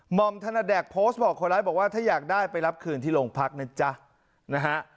หม่อมถนัดแดกโพสต์บอกคนไร้บอกว่าถ้าอยากได้ไปรับคืนที่โรงพักณ์นะจัง